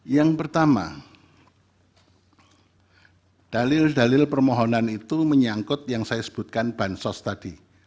yang pertama dalil dalil permohonan itu menyangkut yang saya sebutkan bansos tadi